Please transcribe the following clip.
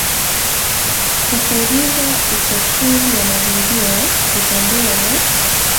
kupunguza uchafuzi wa mazingiraKutambua na